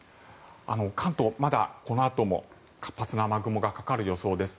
関東、まだこのあとも活発な雨雲がかかる予想です。